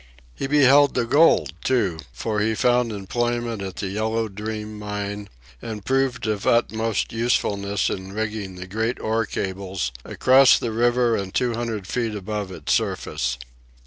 He beheld the gold, too, for he found employment at the Yellow Dream mine, and proved of utmost usefulness in rigging the great ore cables across the river and two hundred feet above its surface.